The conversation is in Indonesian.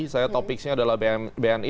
saya topiknya adalah bni